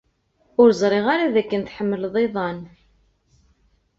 Ur ẓriɣ ara dakken tḥemmled iḍan.